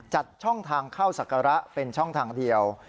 จัดช่องทางเข้าศักระเป็นช่องทางเดียว